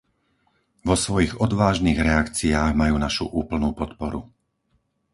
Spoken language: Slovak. Vo svojich odvážnych reakciách majú našu úplnú podporu.